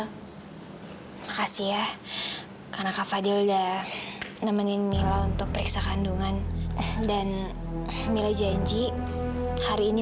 hai kasih ya karena kak fadil udah nemenin mila untuk periksa kandungan dan mila janji hari ini